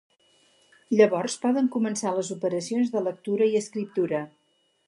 Llavors poden començar les operacions de lectura i d'escriptura.